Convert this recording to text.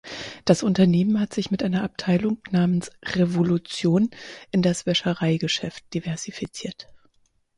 Das Unternehmen hat sich mit einer Abteilung namens "Revolution" in das Wäschereigeschäft diversifiziert.